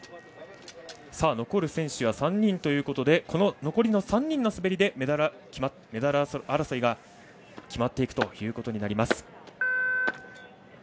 残る選手は３人ということで残りの３人の滑りでメダル争いが決まってくるということになります。